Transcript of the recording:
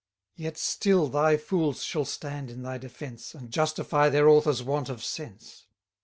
Yet still thy fools shall stand in thy defence, And justify their author's want of sense.